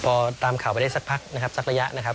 พอตามข่าวไปได้สักพักนะครับสักระยะนะครับ